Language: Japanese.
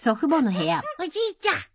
おじいちゃん。